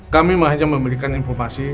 kami mengajak memberikan informasi